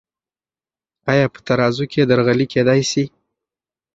آیا په ترازو کې درغلي کیدی سی؟